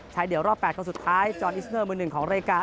เดี่ยวรอบ๘คนสุดท้ายจอร์นอิสเนอร์มือหนึ่งของรายการ